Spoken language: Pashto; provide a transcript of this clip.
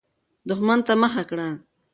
دښمن ته مخه کړه.